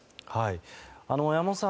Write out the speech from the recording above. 山本さん